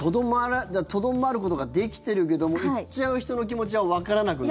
とどまることができてるけど行っちゃう人の気持ちはわからなくもない？